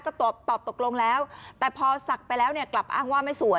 ก็ตอบตกลงแล้วแต่พอศักดิ์ไปแล้วเนี่ยกลับอ้างว่าไม่สวย